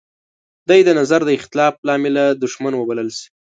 دی د نظر د اختلاف لامله دوښمن وبلل شي.